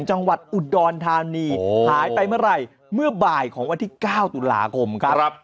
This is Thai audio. จังหวัดอุดรธานีหายไปเมื่อไหร่เมื่อบ่ายของวันที่๙ตุลาคมครับ